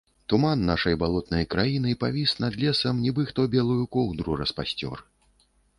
Туман нашай балотнай краіны павіс над лесам, нібы хто белую коўдру распасцёр.